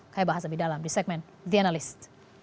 kaya bahasa di dalam di segmen the analyst